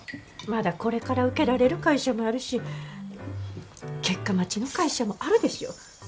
まだこれから受けられる会社もあるし結果待ちの会社もあるでしょ。